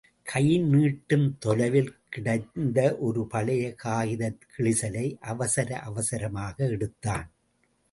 கை நீட்டும் தொலைவில் கிடந்த ஒரு பழைய காகிதக் கிழிசலை அவசர அவசரமாக எடுத்தான்.